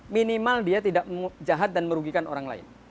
minimal dia tidak jahat dan merugikan orang lain